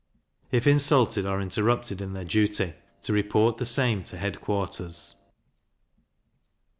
If insulted or interrupted in their duty, to report the same to head quarters.